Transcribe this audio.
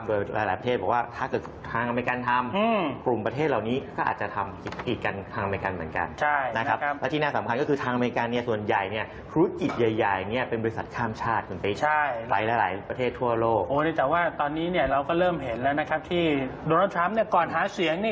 โอ้โฮแต่ว่าตอนนี้เราก็เริ่มเห็นแล้วนะครับที่โดนทราบก่อนหาเสียงนี่